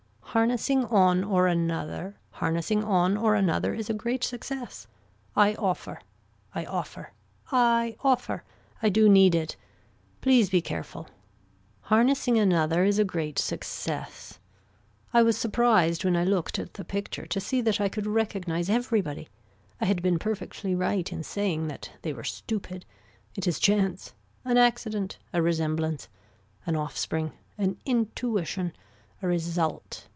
Harnessing on or another. Harnessing on or another is a great success. I offer. I offer. I offer. I do need it. Please be careful. Harnessing another is a great success. I was surprised when I looked at the picture to see that I could recognise everybody. I had been perfectly right in saying that they were stupid. It is chance. An accident. A resemblance. An offspring. An intuition. A result.